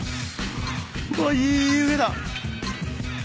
うわいい湯気だ。